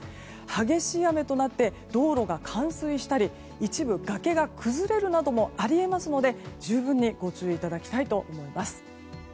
激しい雨となって道路が冠水したり一部崖が崩れるなどもあり得ますので十分に、ご注意いただきたいと思います。